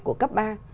của cấp ba